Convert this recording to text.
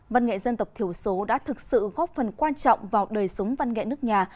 văn nghệ dân tộc thiểu số đã thực sự góp phần quan trọng vào đời sống văn nghệ nước nhà